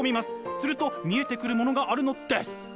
すると見えてくるものがあるのです。